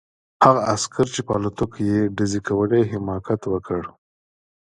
هغه عسکر چې په الوتکو یې ډزې کولې حماقت وکړ